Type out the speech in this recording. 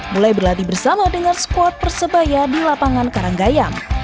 mulai berlatih bersama dengan squad persebaya di lapangan karanggayam